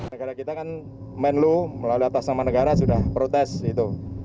negara kita kan menlu melalui atas nama negara sudah protes itu